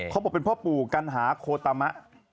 เขาบอกเป็นพ่อปู่กัณหาโคตามะ